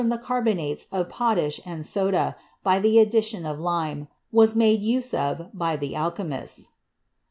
the carbonates of potash and soda by the addition of lime, was made use of by the alchemists.